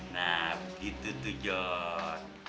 nah begitu tuh jon